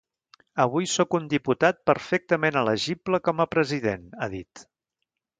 Avui sóc un diputat perfectament elegible com a president, ha dit.